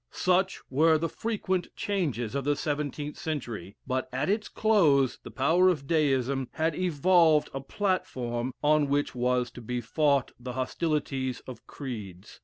Such were the frequent changes of the seventeenth century but at its close the power of Deism had evolved a platform on which was to be fought the hostilities of creeds.